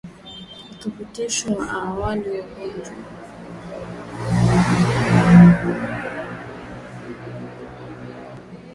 Uthibitisho wa awali wa ugonjwa wa kimeta ni kuvuja damu katima matundu ya mwili